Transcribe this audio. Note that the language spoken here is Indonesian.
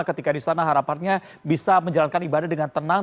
ketika di sana harapannya bisa menjalankan ibadah dengan tenang